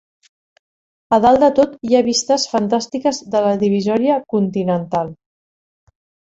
A dalt de tot, hi ha vistes fantàstiques de la divisòria continental.